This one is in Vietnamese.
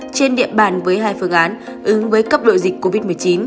trên địa bàn với hai phương án ứng với cấp độ dịch covid một mươi chín